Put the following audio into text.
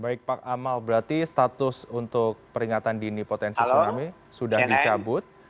baik pak amal berarti status untuk peringatan dini potensi tsunami sudah dicabut